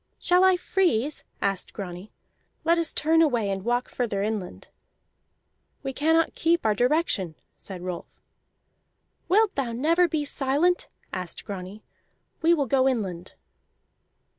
"Shall I freeze?" asked Grani. "Let us turn away and walk further inland." "We cannot keep our direction," said Rolf. "Wilt thou never be silent?" asked Grani. "We will go inland."